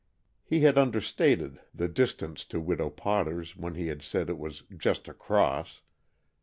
He had understated the distance to Widow Potter's when he had said it was "just across."